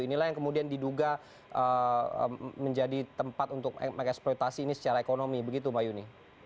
inilah yang kemudian diduga menjadi tempat untuk mengeksploitasi ini secara ekonomi begitu mbak yuni